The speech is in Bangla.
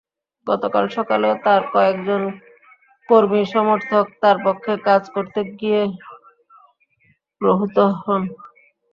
গতকাল সকালেও তাঁর কয়েকজন কর্মী-সমর্থক তাঁর পক্ষে কাজ করতে গিয়ে প্রহূত হন।